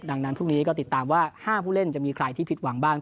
ดังนั้นพรุ่งนี้ก็ติดตามว่า๕ผู้เล่นจะมีใครที่ผิดหวังบ้าง